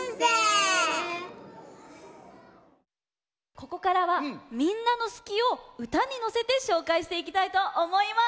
ここからはみんなの「すき」をうたにのせてしょうかいしていきたいとおもいます。